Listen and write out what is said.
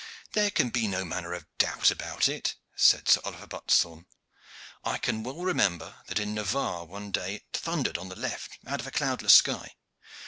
"There can be no manner of doubt about it," said Sir Oliver Buttesthorn. "I can well remember that in Navarre one day it thundered on the left out of a cloudless sky.